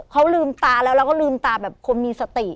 เขาลืมตาแล้วแล้วก็ลืมตาแบบคนมีสติ